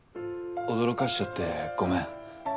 驚かせちゃってごめん。